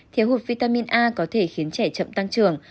thiếu hụt vitamin a có thể khiến trẻ chậm tăng trưởng